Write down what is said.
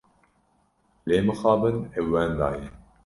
Lê mixabin ew wenda ye.